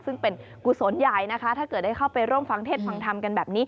ซึ่งเป็นกุศลใหญ่นะคะถ้าเกิดได้เข้าไปร่วมฟังเทศฟังธรรมกันแบบนี้